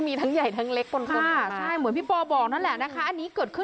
มีประชาชนในพื้นที่เขาถ่ายคลิปเอาไว้ได้ค่ะ